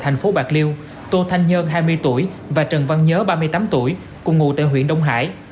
thành phố bạc liêu tô thanh nhơn hai mươi tuổi và trần văn nhớ ba mươi tám tuổi cùng ngụ tại huyện đông hải